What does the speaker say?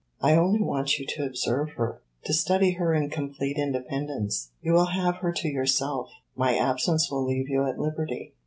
I only want you to observe her to study her in complete independence. You will have her to yourself my absence will leave you at liberty.